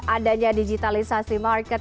adanya digitalisasi market